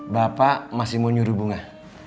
bapak masih mau nyuruh bunga